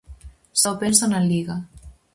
Só penso na liga.